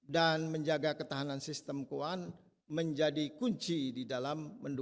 dan menjaga ketahanan sistem keuangan menjadi kunci di dalam menjaga kinerja